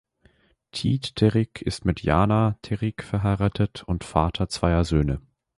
Tiit Terik ist mit Jaana Terik verheiratet und Vater zweier Söhne.